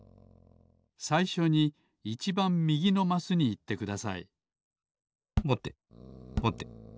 さいしょにいちばんみぎのマスにいってくださいぼてぼて。